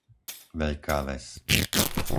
Veľká Ves